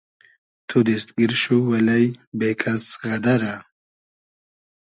تو دیست گیر شو الݷ بې کئس غئدئرۂ